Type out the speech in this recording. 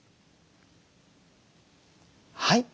はい。